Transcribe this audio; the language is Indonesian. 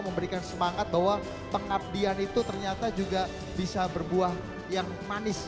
memberikan semangat bahwa pengabdian itu ternyata juga bisa berbuah yang manis